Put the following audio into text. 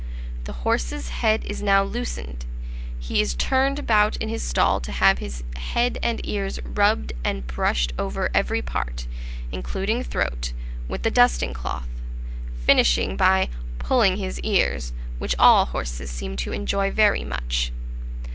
The horse's head is now loosened; he is turned about in his stall to have his head and ears rubbed and brushed over every part, including throat, with the dusting cloth, finishing by "pulling his ears," which all horses seem to enjoy very much.